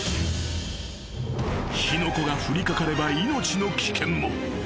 ［火の粉が降りかかれば命の危険も］